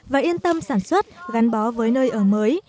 và yên tâm sản xuất gắn bó với nơi ở mới